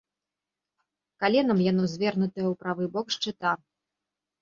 Каленам яно звернутае ў правы бок шчыта.